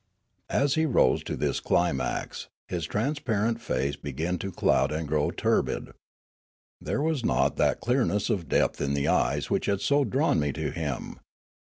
As he rose to this climax, his transparent face began to cloud and grow turbid. There was not that clear ness of depth in the eyes which had so drawn me to him.